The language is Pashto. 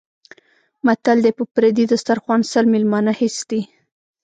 متل دی: په پردي دسترخوان سل مېلمانه هېڅ دي.